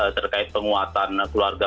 terkait penguatan keluarga